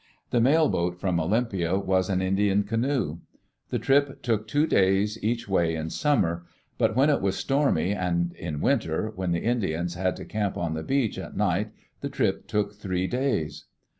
The mail boat from Olympia was an Indian canoe. The trip took two days each way in summer, but when It was stormy and in winter, when the Indians had to camp on the beach at night, the trip took three days.